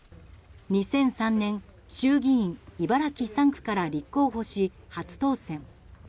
２００３年、衆議院茨城３区から立候補し、初当選。